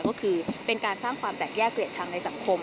ก็คือเป็นการสร้างความแตกแยกเกลียดชังในสังคม